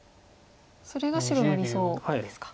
それが白の理想ですか。